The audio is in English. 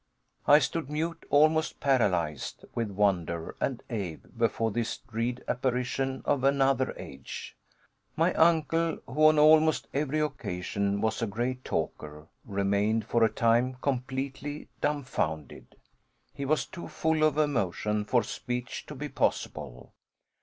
I stood mute, almost paralyzed with wonder and awe before this dread apparition of another age. My uncle, who on almost every occasion was a great talker, remained for a time completely dumfounded. He was too full of emotion for speech to be possible.